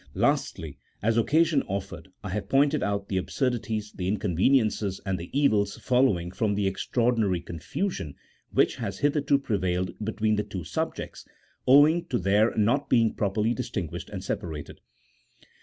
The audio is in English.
Lastly, as occasion offered, I have pointed out the absurdities, the inconveniences, and the evils f ollowing from the extraordinary confusion which has hitherto prevailed between the two subjects, owing to their not being properly distinguished and separated.